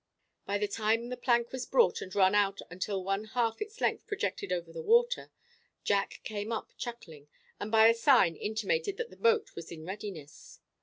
By the time the plank was brought and run out until one half its length projected over the water, Jack came up chuckling, and by a sign intimated that the boat was in readiness.